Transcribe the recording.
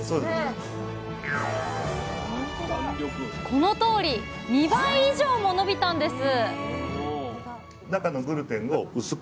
このとおり２倍以上も伸びたんです